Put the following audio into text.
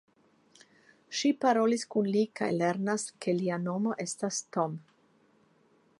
Ŝi parolas kun li kaj lernas ke lia nomo estas Tom.